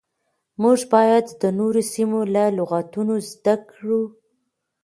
موږ بايد د نورو سيمو له لغتونو زده کړو.